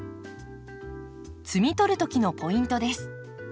摘み取る時のポイントです。